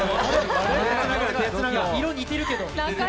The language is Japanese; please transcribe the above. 色似てるけど。